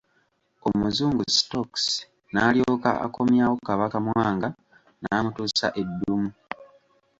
Omuzungu Stokes n'alyoka akomyawo Kabaka Mwanga n'amutuusa e Ddumu.